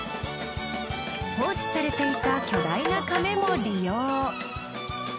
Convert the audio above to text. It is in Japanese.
放置されていた巨大なカメも利用。